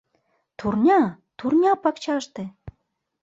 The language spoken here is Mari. Турня, турня пакчаште!»